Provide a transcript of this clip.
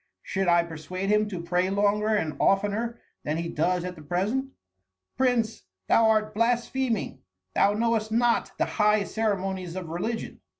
Should I persuade him to pray longer and oftener than he does at the present?" "Prince, thou art blaspheming, thou knowest not the high ceremonies of religion.